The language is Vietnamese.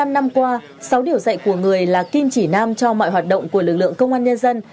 bảy mươi năm năm qua sáu điều dạy của người là kim chỉ nam cho mọi hoạt động của lực lượng công an nhân dân